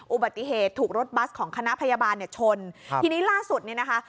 อุบัติเหตุถูกรถบัสของคณะพยาบาลเนี่ยชนครับทีนี้ล่าสุดเนี่ยนะคะ